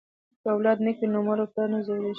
که اولاد نیک وي نو مور او پلار نه ځورېږي.